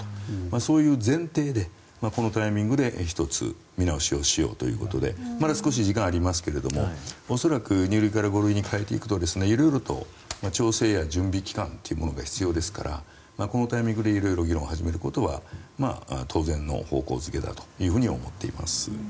そういう前提でこのタイミングで１つ見直しをしようということでまだ少し時間ありますが恐らく２類から５類に変えていくと色々と調整や準備期間が必要ですからこのタイミングで色々議論を始めることは当然の方向付けだろうと思っています。